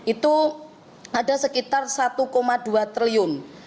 itu ada sekitar satu dua triliun